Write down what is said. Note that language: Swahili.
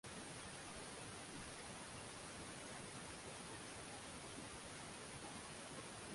kuwa mtazamo wa jamii bado ilionekana ni watu wa kuhurumiwa tu